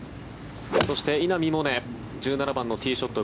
そして、稲見萌寧１７番のティーショット。